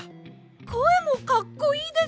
こえもかっこいいです！